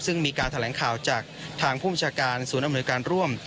ซึ่งมีการแถลงข่าวจากทางผู้บัญชาการศูนย์อำนวยการร่วม